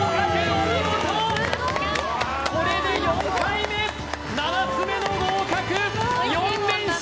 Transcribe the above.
お見事これで４回目７つ目の合格４連勝